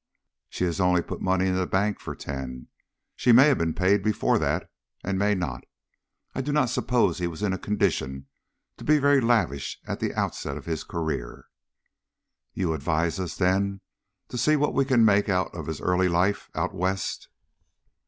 "She has only put money in the bank for ten; she may have been paid before that and may not. I do not suppose he was in a condition to be very lavish at the outset of his career." "You advise us, then, to see what we can make out of his early life out West?"